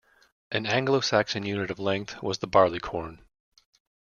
An Anglo-Saxon unit of length was the barleycorn.